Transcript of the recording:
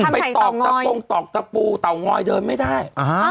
ไปตอกตะกุต่าวง้อยเดินไม่ได้